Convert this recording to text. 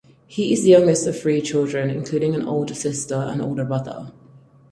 He is the youngest of three children, including an older sister and older brother.